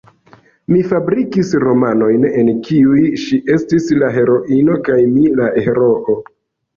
Mi fabrikis romanojn, en kiuj ŝi estis la heroino, kaj mi la heroo.